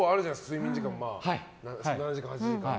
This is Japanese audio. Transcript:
睡眠時間も７時間、８時間。